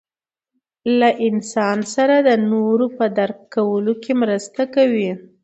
له انسان سره د نورو په درک کولو کې مرسته کوي.